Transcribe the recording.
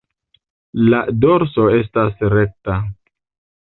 La dorso estas rekta.